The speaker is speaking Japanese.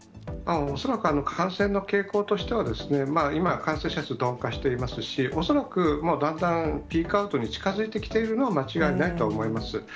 恐らく、感染の傾向としては、今、感染者数、鈍化していますし、恐らくだんだんピークアウトに近づいてきているのは間違いないとは思います。